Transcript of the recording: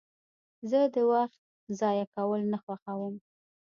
زه وخت ضایع کول نه خوښوم.